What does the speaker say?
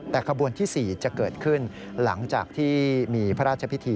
แต่ขบวนที่๔จะเกิดขึ้นหลังจากที่มีพระราชพิธี